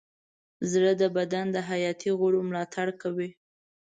زړه د بدن د حیاتي غړو ملاتړ کوي.